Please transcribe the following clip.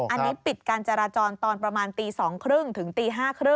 อันนี้ปิดการจราจรตอนประมาณตี๒๓๐ถึงตี๕๓๐